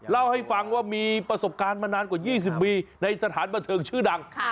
เล่าให้ฟังว่ามีประสบการณ์มานานกว่า๒๐ปีในสถานบันเทิงชื่อดัง